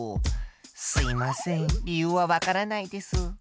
すいません理由はわからないです。